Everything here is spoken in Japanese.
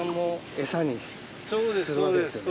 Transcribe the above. エサにするわけですよね。